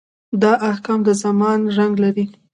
دا احکام د زمان رنګ لري.